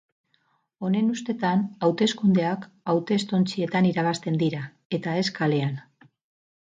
Honen ustetan, hauteskundeak hautestontzietan irabazten dira eta ez kalean.